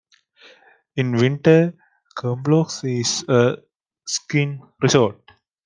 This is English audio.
In winter, Combloux is a skiing resort.